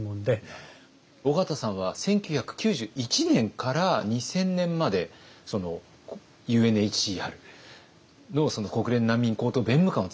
緒方さんは１９９１年から２０００年までＵＮＨＣＲの国連難民高等弁務官を務められた。